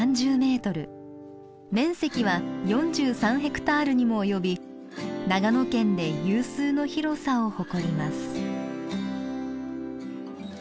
面積は４３ヘクタールにも及び長野県で有数の広さを誇ります。